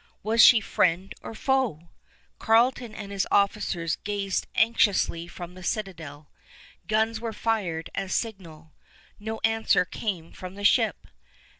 Was she friend or foe? Carleton and his officers gazed anxiously from the citadel. Guns were fired as signal. No answer came from the ship.